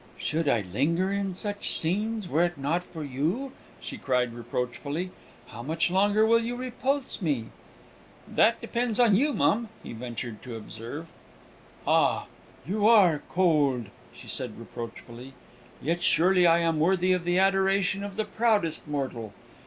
"Should I linger in such scenes were it not for you?" she cried reproachfully. "How much longer will you repulse me?" "That depends on you, mum," he ventured to observe. "Ah! you are cold!" she said reproachfully; "yet surely I am worthy of the adoration of the proudest mortal.